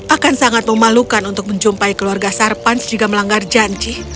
akan sangat memalukan untuk menjumpai keluarga sarpans jika melanggar janji